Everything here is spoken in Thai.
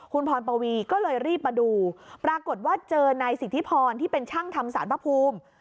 คุณพรปวีก็เลยรีบมาดูปรากฏว่าเจอนายสิทธิพรที่เป็นช่างทำสารพระภูมิ